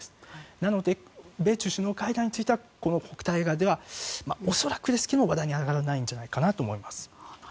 なので米中首脳会談についてはこの北戴河では恐らくですが話題に上がらないんじゃないかなと思います。